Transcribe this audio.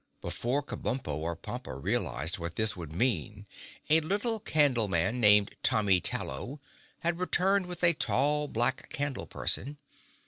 Before Kabumpo or Pompa realized what this would mean a little Candleman named Tommy Tallow had returned with a tall black candle person.